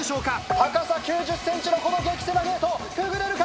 高さ９０ｃｍのこの激狭ゲートくぐれるか？